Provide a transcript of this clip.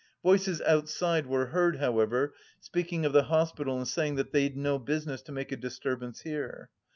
Voices outside were heard, however, speaking of the hospital and saying that they'd no business to make a disturbance here.